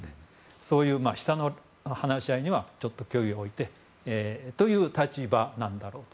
そういう下の話し合いにはちょっと距離を置いてという立場なんだろうと。